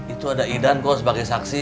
itu ada idan kok sebagai saksi